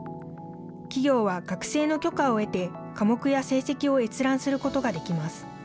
企業は学生の許可を得て、科目や成績を閲覧することができます。